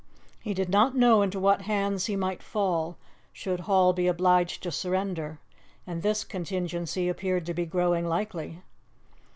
He did not know into what hands he might fall, should Hall be obliged to surrender, and this contingency appeared to be growing likely.